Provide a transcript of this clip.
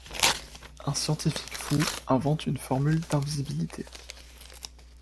Un scientifique fou invente une formule d'invisibilité.